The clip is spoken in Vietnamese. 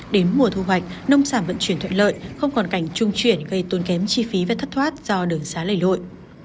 đến mùa thu hoạch nông sản vận chuyển thuận lợi không còn cảnh trung chuyển gây tốn kém chi phí và thất thoát do đường xá lầy lội